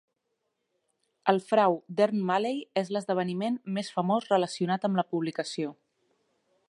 El frau d'Ern Malley és l'esdeveniment més famós relacionat amb la publicació.